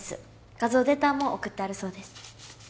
画像データも送ってあるそうです